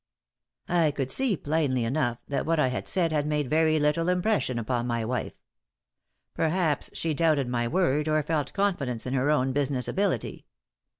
I could see, plainly enough, that what I had said had made very little impression upon my wife. Perhaps she doubted my word or felt confidence in her own business ability.